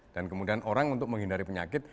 dan kemudian orang untuk menghindari penyakit